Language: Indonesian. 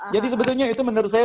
jadi sebetulnya itu menurut saya